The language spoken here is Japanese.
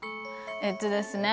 えっとですね